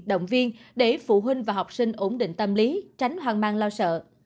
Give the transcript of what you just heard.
động viên để phụ huynh và học sinh ổn định tâm lý tránh hoang mang lo sợ